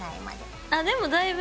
あでもだいぶ。